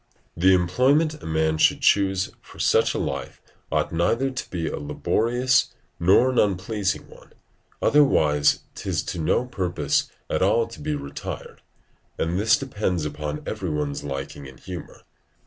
The employment a man should choose for such a life ought neither to be a laborious nor an unpleasing one; otherwise 'tis to no purpose at all to be retired. And this depends upon every one's liking and humour.